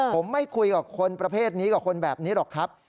ผมไม่คุยกับคนประเภทนี้กับคนแบบนี้หรอกครับ